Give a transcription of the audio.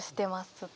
ずっと。